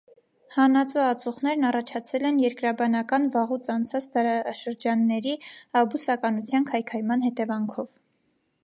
Հանածո ածուխներն առաջացել են երկրաբանական վաղուց անցած դարաշրջանների բուսականության քայքայման հետևանքով։